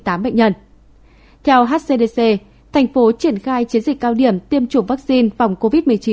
theo hcdc thành phố triển khai chiến dịch cao điểm tiêm chủng vaccine phòng covid một mươi chín